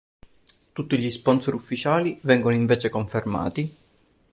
Tutti gli sponsor ufficiali vengono invece confermati.